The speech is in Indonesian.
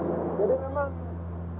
itu kemudian kemana kak